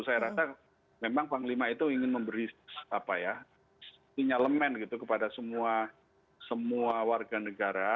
saya rasa memang panglima itu ingin memberi sinyalemen gitu kepada semua warga negara